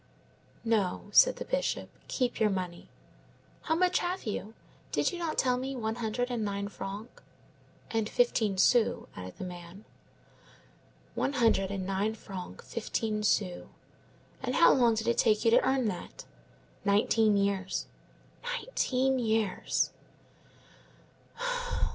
"No," said the Bishop; "keep your money. How much have you? Did you not tell me one hundred and nine francs?" "And fifteen sous," added the man. "One hundred and nine francs fifteen sous. And how long did it take you to earn that?" "Nineteen years." "Nineteen years!"